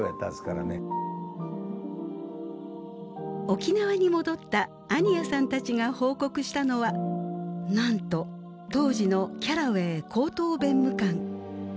沖縄に戻った安仁屋さんたちが報告したのはなんと当時のキャラウェイ高等弁務官。